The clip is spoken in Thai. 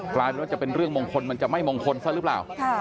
กลายเป็นว่าจะเป็นเรื่องมงคลมันจะไม่มงคลซะหรือเปล่า